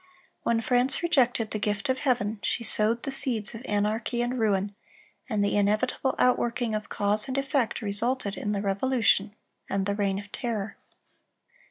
(344) When France rejected the gift of heaven, she sowed the seeds of anarchy and ruin; and the inevitable outworking of cause and effect resulted in the Revolution and the Reign of Terror.